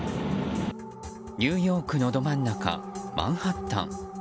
ニューヨークのど真ん中マンハッタン。